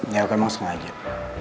ya aku emang sengajit